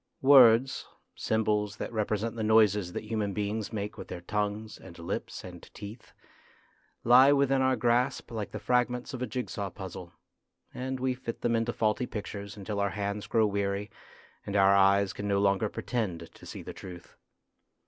Words symbols that represent the noises that human beings make with their tongues and lips and teeth lie within our grasp like the fragments of a jig saw puzzle, and we fit them into faulty pictures until our hands grow weary and our eyes can no longer pretend to see the truth.